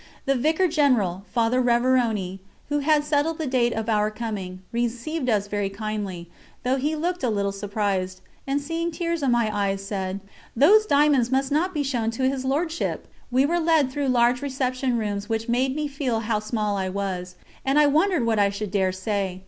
The Vicar General, Father Révérony, who had settled the date of our coming, received us very kindly, though he looked a little surprised, and seeing tears in my eyes said: "Those diamonds must not be shown to His Lordship!" We were led through large reception rooms which made me feel how small I was, and I wondered what I should dare say.